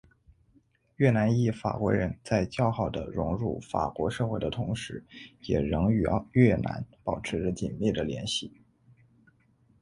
越南裔法国人在较好的融入法国社会的同时也仍与越南保持着紧密的联系。